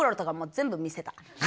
全部見せる！？